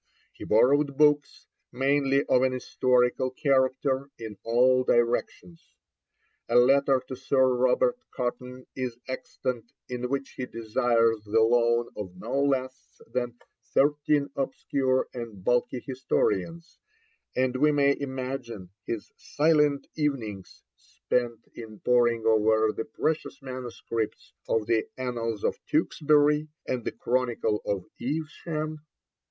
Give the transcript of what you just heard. He borrowed books, mainly of an historical character, in all directions. A letter to Sir Robert Cotton is extant in which he desires the loan of no less than thirteen obscure and bulky historians, and we may imagine his silent evenings spent in poring over the precious manuscripts of the Annals of Tewkesbury and the Chronicle of Evesham.